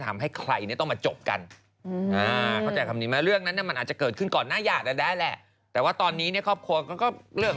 ไม่รู้อ่ะไม่รู้อ่ะอันนี้ก็โตด้วยตัวเอง